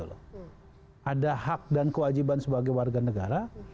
ada hak dan kewajiban sebagai warga negara